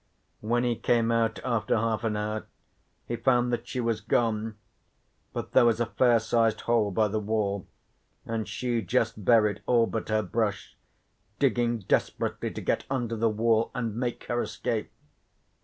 When he came out after half an hour he found that she was gone, but there was a fair sized hole by the wall, and she just buried all but her brush, digging desperately to get under the wall and make her escape.